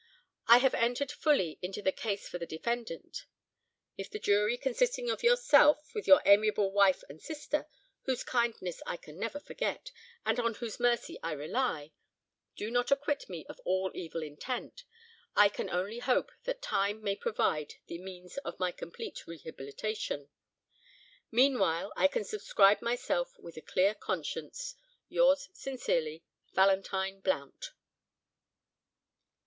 I have entered fully into the 'case for the defendant.' If the jury consisting of yourself, with your amiable wife and her sister—whose kindness I can never forget, and on whose mercy I rely—do not acquit me of all evil intent, I can only hope that time may provide the means of my complete rehabilitation. Meanwhile I can subscribe myself with a clear conscience, "Yours sincerely, "VALENTINE BLOUNT."